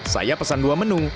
saya pesan dua menu